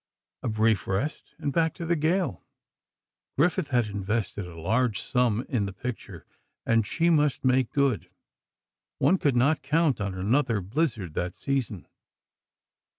A brief rest and back to the gale. Griffith had invested a large sum in the picture, and she must make good. One could not count on another blizzard that season.